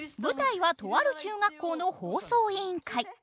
舞台はとある中学校の放送委員会。